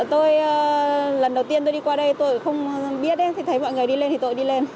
tôi lần đầu tiên tôi đi qua đây tôi không biết đấy thì thấy mọi người đi lên thì tôi đi lên